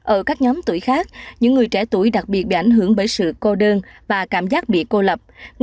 ở các nhóm tuổi khác những người trẻ tuổi đặc biệt bị ảnh hưởng bởi sự cô đơn và cảm giác bị cô lập